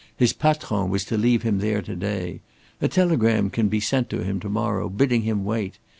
"His patron was to leave him there to day. A telegram can be sent to him to morrow bidding him wait.